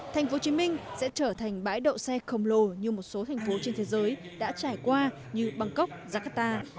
tp hcm sẽ trở thành bãi đậu xe khổng lồ như một số thành phố trên thế giới đã trải qua như bangkok jakarta